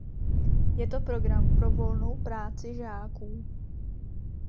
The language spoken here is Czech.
Je to program pro volnou práci žáků.